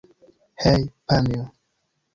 Hej, panjo!